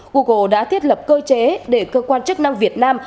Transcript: google đã thiết lập cơ chế để cơ quan chức năng việt nam